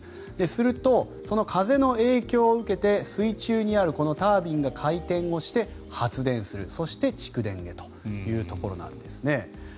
すると、その風の影響を受けて水中にあるこのタービンが回転をして発電する、そして蓄電へというところなんですね。